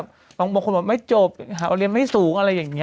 บางคนบอกไม่จบเรียนไม่สูงอะไรอย่างนี้